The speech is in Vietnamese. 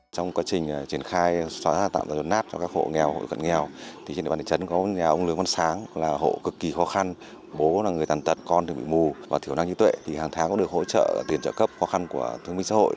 trong quá trình triển khai xóa ra tạm giao nát cho các hộ nghèo hộ cận nghèo thì trên địa bàn thị trấn có nhà ông lương văn sáng là hộ cực kỳ khó khăn bố là người tàn tật con thì bị mù và thiểu năng như tuệ thì hàng tháng cũng được hỗ trợ tiền trợ cấp khó khăn của thương minh xã hội